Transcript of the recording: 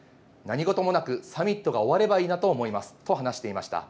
何事もなくサミットが終わればいいなと話しています。